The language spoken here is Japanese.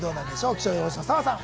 気象予報士の澤さん